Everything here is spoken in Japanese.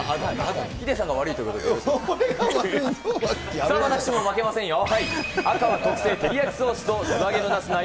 ヒデさんが悪いということで俺が悪い？